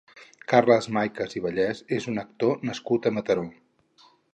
Carles Maicas i Vallès és un actor nascut a Mataró.